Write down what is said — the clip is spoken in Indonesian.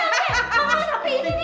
lama kesempatan dalam kita